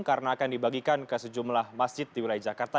melainkan ke sejumlah masjid di wilayah jakarta